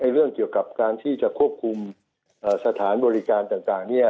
เรื่องเกี่ยวกับการที่จะควบคุมสถานบริการต่าง